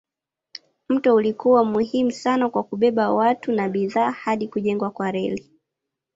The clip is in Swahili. Mto ulikuwa muhimu sana kwa kubeba watu na bidhaa hadi kujengwa kwa reli.